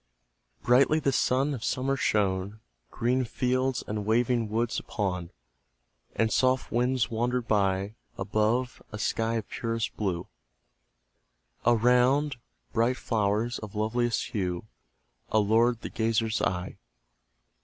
Brightly the sun of summer shone Green fields and waving woods upon, And soft winds wandered by; Above, a sky of purest blue, Around, bright flowers of loveliest hue, Allured the gazer's eye.